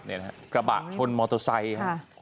นี่นะครับกระบะชนมอโตซัยครับ